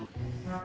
gak ada apa apa